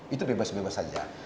itu bebas bebas saja